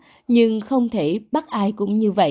bạn có thể mạnh mẽ nhưng không thể bắt ai cũng như vậy